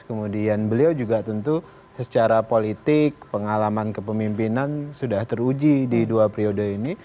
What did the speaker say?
kemudian beliau juga tentu secara politik pengalaman kepemimpinan sudah teruji di dua periode ini